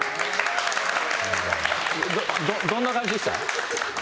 どんな感じでした？